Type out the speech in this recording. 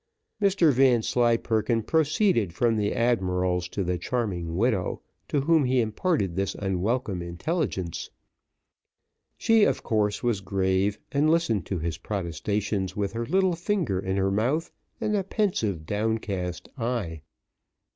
Mr Vanslyperken proceeded from the admiral's to the charming widow, to whom he imparted this unwelcome intelligence. She, of course, was grave, and listened to his protestations with her little finger in her mouth, and a pensive, down cast eye.